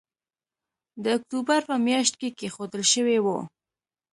د اکتوبر په مياشت کې کېښودل شوی وو